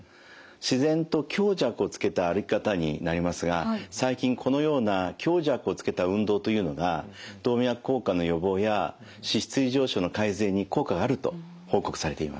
自然と強弱をつけた歩き方になりますが最近このような強弱をつけた運動というのが動脈硬化の予防や脂質異常症の改善に効果があると報告されています。